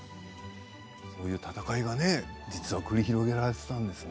そんな戦いが繰り広げられていたんですね。